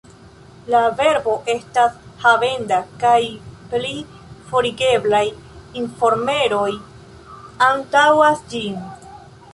La verbo estas havenda, kaj pli forigeblaj informeroj antaŭas ĝin.